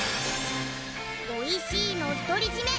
おいしいの独り占め